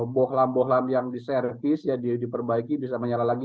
bohlam bohlam yang diservis ya diperbaiki bisa menyala lagi